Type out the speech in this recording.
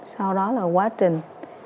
sau đó là quá trình